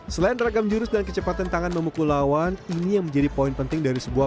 selain ragam jurus dan kecepatan tangan memukul lawan ini yang menjadi poin penting dari sebuah